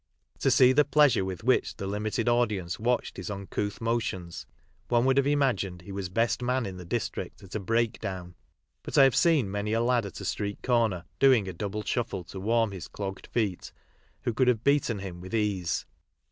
To see the pleasure with which the limited audience watched his uncouth motions one would have imagined he was best man in the district at a " break down," but I have seen many a lad at a street corner, doing a double shuffle to warm his clogged feet, who could have beaten him with ease^.